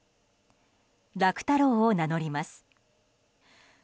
楽太郎を名乗ります。